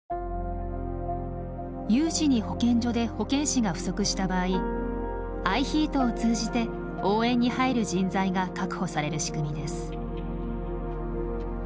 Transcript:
有事に保健所で保健師が不足した場合ＩＨＥＡＴを通じて応援に入る人材が確保される仕組みです。